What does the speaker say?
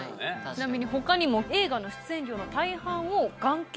ちなみに他にも映画の出演料の大半を。